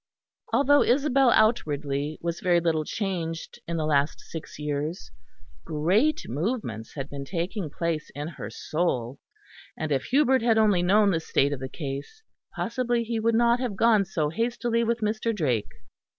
Although Isabel outwardly was very little changed in the last six years, great movements had been taking place in her soul, and if Hubert had only known the state of the case, possibly he would not have gone so hastily with Mr. Drake.